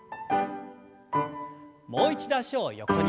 もう一度脚を横に。